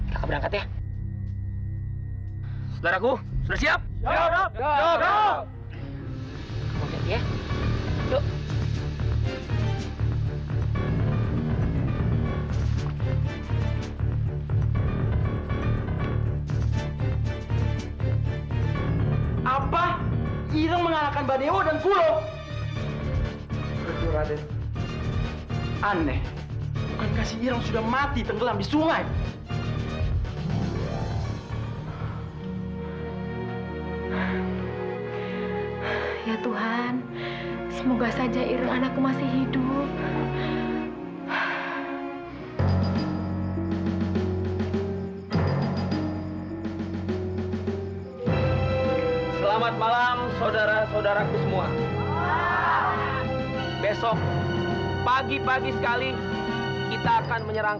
terhadap kampung yang kita cintai